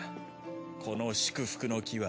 この祝福の樹は。